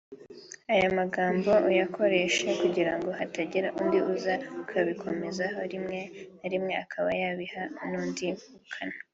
Aya magambo uyakoresha kugirango hatagira undi uza akabikomozaho rimwe na rimwe akaba yabiha n’ubundi bukana